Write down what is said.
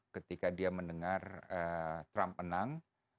ketika dia mendengar trump menang